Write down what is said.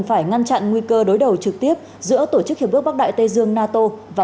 phải ngăn chặn nguy cơ đối đầu trực tiếp giữa tổ chức hiệp ước bắc đại tây dương nato và